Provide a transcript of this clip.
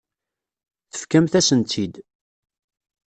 Tefkamt-asen-tt-id.